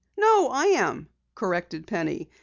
"No, I am," corrected Penny.